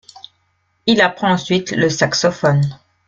Il apprend ensuite le saxophone.